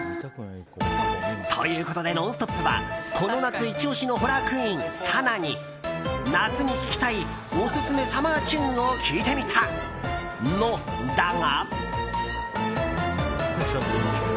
ということで「ノンストップ！」はこの夏イチ押しのホラークイーンさなに、夏に聴きたいオススメサマーチューンを聞いてみたのだが。